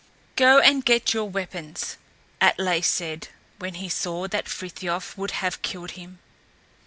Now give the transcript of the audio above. "Go and get your weapons," Atlé said, when he saw that Frithiof would have killed him.